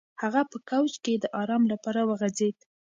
هغه په کوچ کې د ارام لپاره وغځېد.